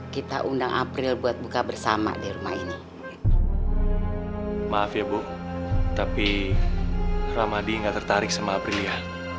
kita undang april buat buka bersama di rumah ini maaf ya bu tapi ramadi nggak tertarik sama aprilia